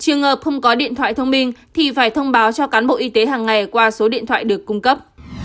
trường hợp không có điện thoại thông minh thì phải thông báo cho cán bộ y tế hàng ngày qua số điện thoại được cung cấp